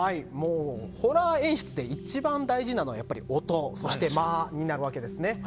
ホラー演出で一番大事なのは音そして、間になるわけです。